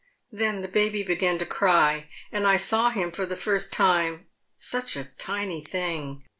Then the baby began to cry, and I saw him for the first time — such a tiny thing.